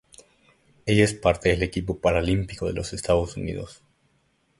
Ella es parte del Equipo paralímpico de los Estados Unidos.